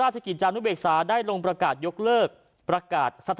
ฉุกเฉินก็๘วันด้วยกัน